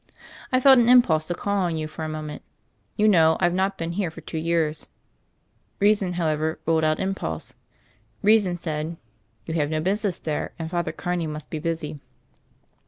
I felt an impulse to call on you for a moment — ^you know I've not been here for two years. Reason, however, ruled out impulse. Reason said, 'You have no business there and Father Carney must be busy.'